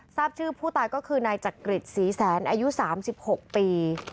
ทราบชื่อผู้ตายก็คือนายจักริจศรีแสนอายุ๓๖ปี